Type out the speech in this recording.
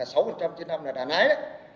là sáu trên năm là đàn ái đấy